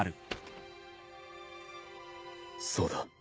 そうだ。